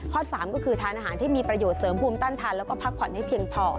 ๓ก็คือทานอาหารที่มีประโยชนเสริมภูมิต้านทานแล้วก็พักผ่อนให้เพียงพอ